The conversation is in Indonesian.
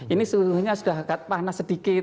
ini suhunya sudah agak panas sedikit